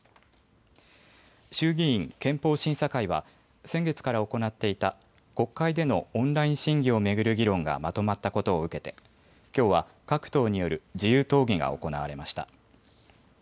衆議院憲法審査会は先月から行っていた国会でのオンライン審議を巡る議論がまとまったことを受けてきょうは各党による自由討議が行われました。